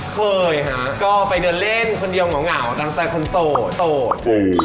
เคยฮะก็ไปเดินเล่นคนเดียวเหงาตั้งใจคนโสดโสด